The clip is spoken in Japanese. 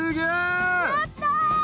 やった！